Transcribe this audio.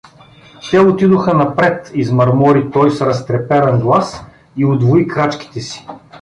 — Те отидоха напред — измърмори той с разтреперан глас и удвои крачките си.